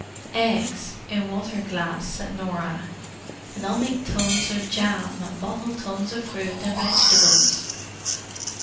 "Eggs—in water glass," said Norah. "And I'll make tons of jam and bottle tons of fruit and vegetables."